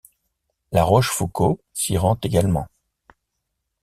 La Rochefoucauld s'y rend également.